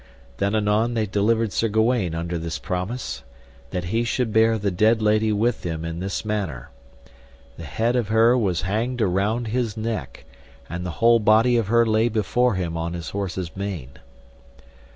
Then anon they delivered Sir Gawaine under this promise, that he should bear the dead lady with him in this manner; the head of her was hanged about his neck, and the whole body of her lay before him on his horse's mane.